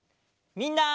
みんな。